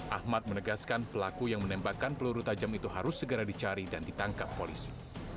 ahmad menegaskan pelaku yang menembakkan peluru tajam itu harus segera dicari dan ditangkap polisi